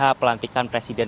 apa pelantikan presiden